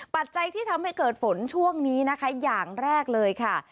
ปัจจัยที่ทำให้เกิดฝนช่วงนี้นะคะอย่างแรกเลยค่ะ